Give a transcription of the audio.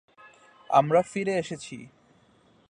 আমরা ফিরে এসেছি।